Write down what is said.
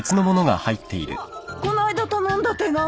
まあこの間頼んだ手紙！